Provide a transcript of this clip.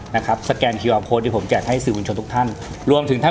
นะครับสแกนที่ผมแจกให้สื่อวิญชาติทุกท่านรวมถึงท่าน